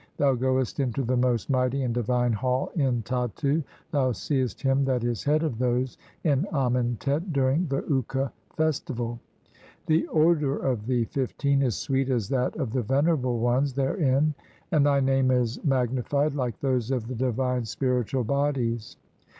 Thou goest into the most "mighty and divine Hall in Tattu ; thou seest him "that is head of those in Amentet duringf the Uka "festival. The odour of thee (15) is sweet as that of "the venerable ones [therein], and thy name is mag "nified like those of the divine spiritual bodies."